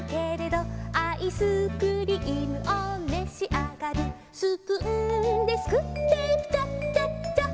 「アイスクリームをめしあがる」「スプーンですくってピチャチャッチャッ」